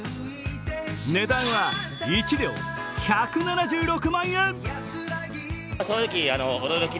値段は１両１７６万円。